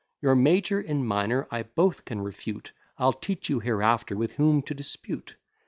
Your major and minor I both can refute, I'll teach you hereafter with whom to dispute.